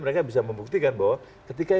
mereka bisa membuktikan bahwa ketika